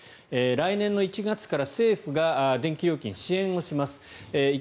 来年１月から政府が電気料金を支援をします。